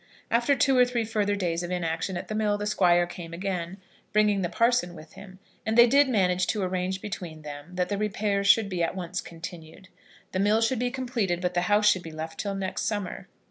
After two or three further days of inaction at the mill the Squire came again, bringing the parson with him; and they did manage to arrange between them that the repairs should be at once continued. The mill should be completed; but the house should be left till next summer.